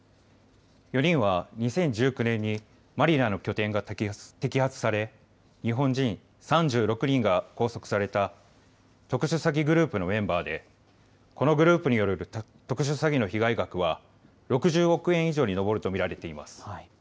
４人は２０１９年にマニラの拠点が摘発され日本人３６人が拘束された特殊詐欺グループのメンバーでこのグループによる特殊詐欺の被害額は６０億円以上に上ると見られます。